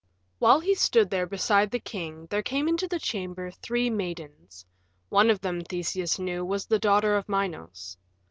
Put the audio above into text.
While he stood there beside the king there came into the chamber three maidens; one of them, Theseus knew, was the daughter of Minos.